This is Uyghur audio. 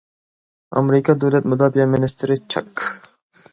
ئامېرىكا دۆلەت مۇداپىئە مىنىستىرى چاك.